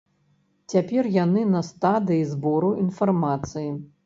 Цяпер яны на стадыі збору інфармацыі.